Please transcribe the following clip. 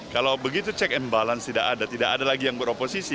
kalau begitu check and balance tidak ada tidak ada lagi yang beroposisi